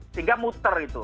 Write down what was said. sehingga muster itu